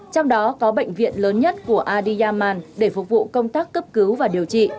trong đó có bệnh viện lớn nhất của adiyaman để phục vụ công tác cấp cứu và điều trị